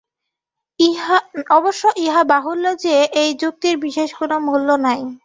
অবশ্য ইহা বলা বাহুল্য যে, এই যুক্তির বিশেষ কোন মূল্য নাই।